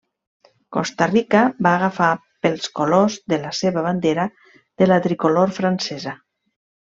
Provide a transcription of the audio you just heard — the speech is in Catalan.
Costa Rica va agafar pels colors de la seva bandera de la tricolor francesa.